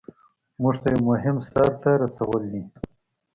مونږ ته یو مهم سر ته رسول دي.